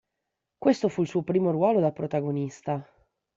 Questo fu il suo primo ruolo da protagonista.